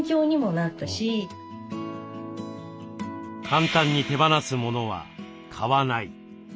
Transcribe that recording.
簡単に手放すモノは買わない。